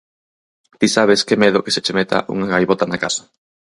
Ti sabes que medo que se che meta unha gaivota na casa.